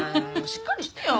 しっかりしてよ！